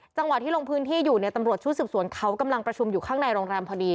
จังหวะที่ลงพื้นที่อยู่เนี่ยตำรวจชุดสืบสวนเขากำลังประชุมอยู่ข้างในโรงแรมพอดี